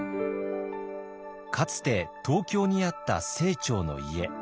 かつて東京にあった清張の家。